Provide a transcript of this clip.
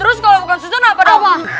terus kalau bukan susah kenapa dong